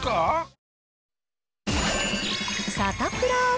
サタプラ。